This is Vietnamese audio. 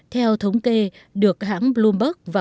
theo thống kê được hãng bloomberg và